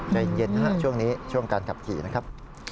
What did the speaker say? ใจเย็นนะครับช่วงนี้ช่วงการขับขี่นะครับ